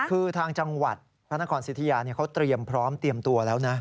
คือทางจังหวัดพระนครสิทธิยาเขาเตรียมพร้อมเตรียมตัวแล้วนะ